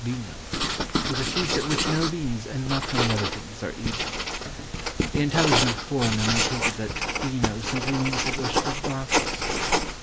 beano) is a feast at which no beans, and not many other things, are eaten. The intelligent foreigner may take it that beano simply means the worship of Bacchus.